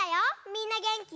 みんなげんき？